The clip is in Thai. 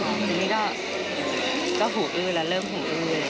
ทีนี้ก็หูอื้อแล้วเริ่มหูอื้อ